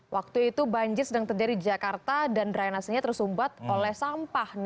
waktu itu banjir sedang terjadi di jakarta dan drainasenya tersumbat oleh sampah